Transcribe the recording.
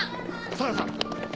・相良さん！